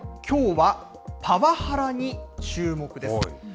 きょうは、パワハラに注目です。